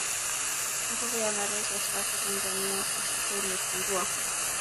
nguvu ya marais wastaafu tanzania kwa sasa imepungua